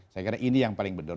saya kira ini yang paling benar